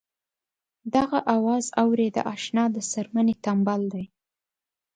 دغه اواز اورې د اشنا د څرمنې تمبل دی.